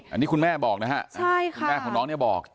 อันนี้คุณแม่บอกนะฮะแม่ของน้องเนี่ยบอก